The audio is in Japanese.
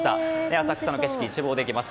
浅草の景色を一望できます。